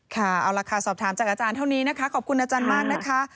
ค่ะเอาล่ะค่ะสอบถามจากอาจารย์เท่านี้นะคะขอบคุณอาจารย์มากนะคะ